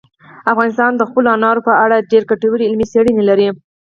افغانستان د خپلو انارو په اړه ډېرې ګټورې علمي څېړنې لري.